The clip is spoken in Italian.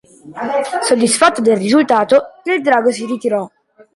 Soddisfatto del risultato, il drago si ritirò.